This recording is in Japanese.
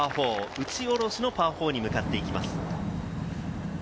打ち下ろしのパー４に向かっていきます。